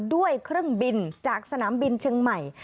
ด้วยเครื่องบินจากสนามบินเชียงใหม่